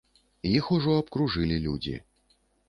Іх ужо абкружылі людзі.